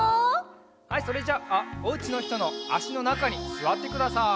はいそれじゃあおうちのひとのあしのなかにすわってください。